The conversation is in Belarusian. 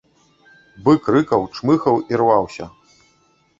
Бык рыкаў, чмыхаў і рваўся.